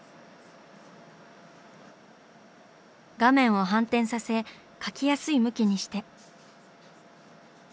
画面を反転させ描きやすい向きにして。